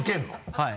はい。